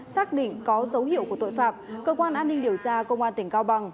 xác định có dấu hiệu của tội phạm cơ quan an ninh điều tra công an tỉnh cao bằng